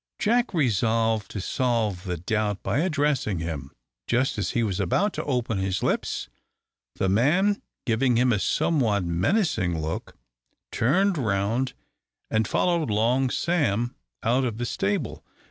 Jack resolved to solve the doubt by addressing him. Just as he was about to open his lips, the man, giving him a somewhat menacing look, turned round and followed Long Sam out of the stable.